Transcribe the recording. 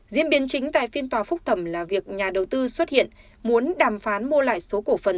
diễn biến chính tại phiên tòa phúc thẩm là việc nhà đầu tư xuất hiện muốn đàm phán mua lại số cổ phần